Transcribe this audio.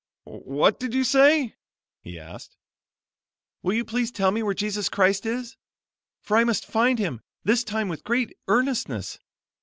"What did you say?" he asked. "Will you please tell me where Jesus Christ is? for I must find Him" this time with great earnestness.